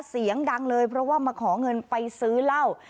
เสียงดังเลยเพราะว่ามาขอเงินไปซื้อเหล้า